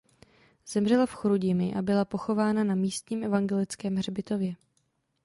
Zemřela v Chrudimi a byla pochována na místním evangelickém hřbitově.